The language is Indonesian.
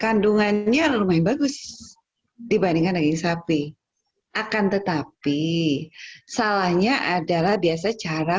kandungannya lumayan bagus dibandingkan daging sapi akan tetapi salahnya adalah biasa cara